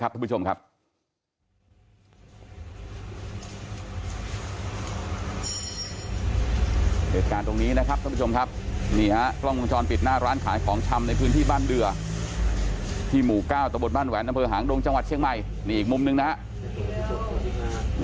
แต่อันนี้สิบต่อหนึ่งฝ่ายหนึ่งมีมีดใช้มีด